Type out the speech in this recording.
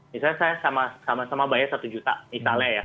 misalnya saya sama sama bayar satu juta misalnya ya